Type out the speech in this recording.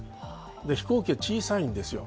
飛行機は小さいんですよ。